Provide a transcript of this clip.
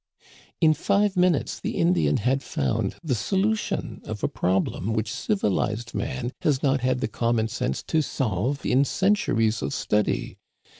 " In five minutes the Indian had found the solution of a problem which civilized man has not had the com mon sense to solve in centuries of study.